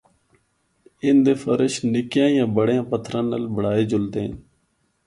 ان دے فرش نکیاں یا بڑیاں پتھراں نال بنڑائے جلدے ہن۔